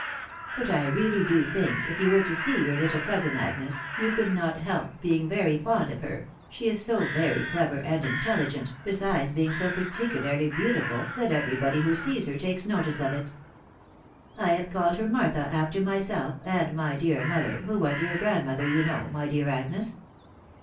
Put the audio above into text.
But I really do think if you were to see your little coi:isin, Agnes, you could not help being very fond of her, she is so very clever and intelligent, besides being so particularly beautiful that everybody who sees her takes notice of it. I have called her Martha after myself, and my dear mother, who was your grandmother, you know, my dear Agnes.